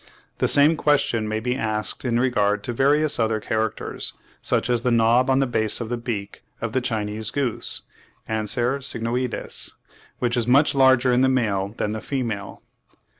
The same question may be asked in regard to various other characters, such as the knob on the base of the beak of the Chinese goose (Anser cygnoides), which is much larger in the male than in the female.